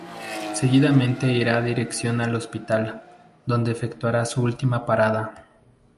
Seguidamente ira dirección al hospital, donde efectuara su última parada.